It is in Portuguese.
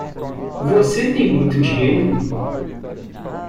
Você tem muito dinheiro?